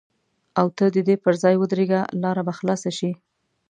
او ته د دې پر ځای ودرېږه لاره به خلاصه شي.